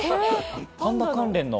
パンダ関連の？